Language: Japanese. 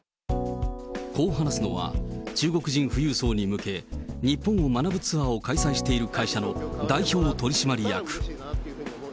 こう話すのは、中国人富裕層に向け、日本を学ぶツアーを開催している会社の代表取締役。